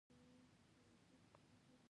سر مې لکه کدو؛ هېڅ نه پوهېږم.